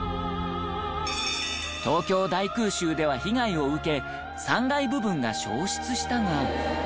東京大空襲では被害を受け３階部分が消失したが。